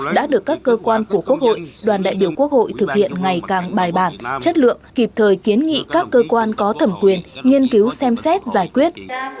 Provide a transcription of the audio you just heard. đã được các cơ quan của quốc hội đoàn đại biểu quốc hội thực hiện ngày càng bài bản chất lượng kịp thời kiến nghị các cơ quan có thẩm quyền nghiên cứu xem xét giải quyết